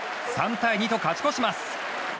３対２と勝ち越します。